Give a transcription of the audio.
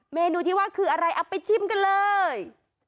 เมนูที่ว่าคืออะไรเอาไปชิมกันเลย